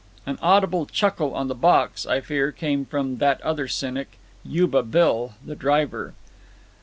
An audible chuckle on the box, I fear, came from that other cynic, "Yuba Bill," the driver.